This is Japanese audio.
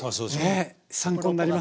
ねえ参考になります。